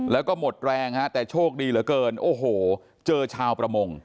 แล้วก็หมดแรงฮะแต่โชคดีเหลือเกินโอ้โหเจอชาวประมง